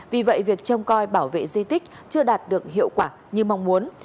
vì vậy việc trông coi bảo vệ di tích chưa đạt được hiệu quả như mong muốn